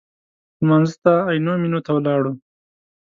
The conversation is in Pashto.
لمانځه ته عینومېنې ته ولاړو.